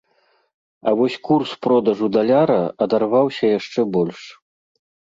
А вось курс продажу даляра адарваўся яшчэ больш.